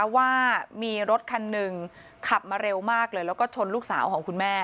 ว่ามีรถคันหนึ่งขับมาเร็วมากเลยแล้วก็ชนลูกสาวของคุณแม่